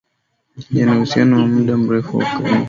yana uhusiano wa muda mrefu wa karibu sana